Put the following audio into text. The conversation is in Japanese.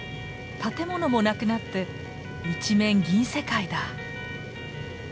建物もなくなって一面銀世界だ！